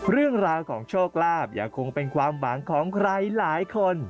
เรื่องราวของโชคลาภยังคงเป็นความหวังของใครหลายคน